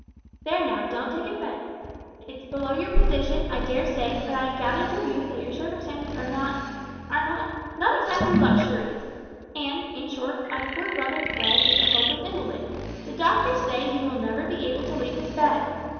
"There, now, don't take offence. It's below your position, I dare say, but I have gathered from you that your circumstances are not are not not exactly luxurious, and, in short, my poor brother Fred is a hopeless invalid. The doctors say he will never be able to leave his bed.